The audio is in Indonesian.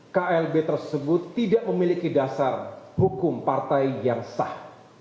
klb tersebut tidak memiliki dasar hukum partai yang sah